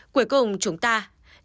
cuối cùng chúng ta đến với câu chuyện này